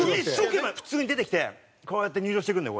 普通に出てきてこうやって入場してくるのよ